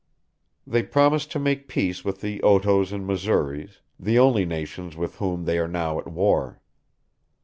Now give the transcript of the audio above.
... "They promised to make peace with the Otoes and Missouris, the only nations with whom they are now at war.